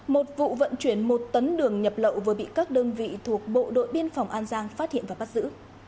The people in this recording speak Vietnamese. một vụ vận chuyển một tấn đường nhập lậu vừa bị các đơn vị thuộc bộ đội biên phòng an giang phát hiện và bắt giữ